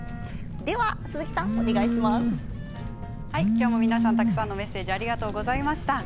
今日も皆さんからたくさんのメッセージありがとうございました。